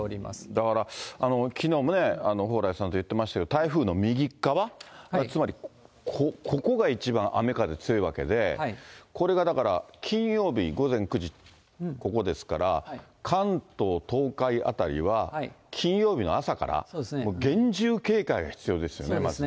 だから、きのうもね、蓬莱さんと言ってましたけれども、台風の右っかわ、つまりここが一番、雨風強いわけで、これがだから、金曜日午前９時、ここですから、関東、東海あたりは、金曜日の朝から厳重警戒が必要ですよね。